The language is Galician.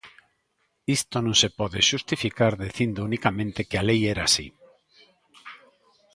Isto non se pode xustificar dicindo unicamente que a lei era así!